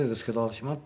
「しまった。